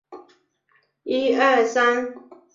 葬于京都府京都市东山区的月轮陵。